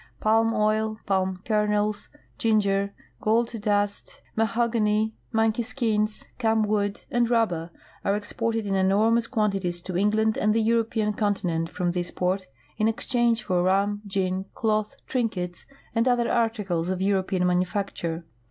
Palm oil, palm kernels, ginger, gold dust, ma hogany, monkey skins, camwood, and rubber are exported in enormous quantities to England and the European continent from this port in exchange for rum, gin, cloth, trinkets, and other articles of European manufacture.